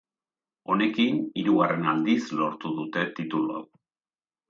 Honekin, hirugarren aldiz lortu dute titulu hau.